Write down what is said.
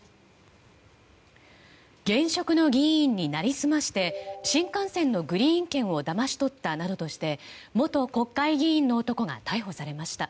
現職の議員になりすまして新幹線のグリーン券をだまし取ったなどとして元国会議員の男が逮捕されました。